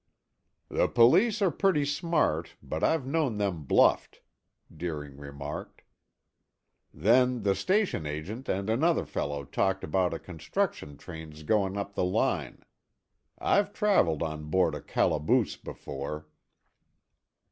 "The police are pretty smart, but I've known them bluffed," Deering remarked. "Then the station agent and another fellow talked about a construction train's going up the line. I've traveled on board a calaboose before."